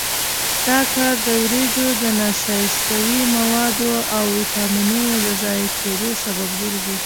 دا کار د وریجو د نشایستوي موادو او ویټامینونو د ضایع کېدو سبب ګرځي.